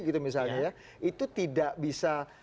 itu tidak bisa